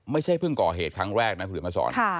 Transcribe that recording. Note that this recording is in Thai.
ไม่ใช่เพิ่งก่อเหตุครั้งแรกนะคุณเดี๋ยวมาสอน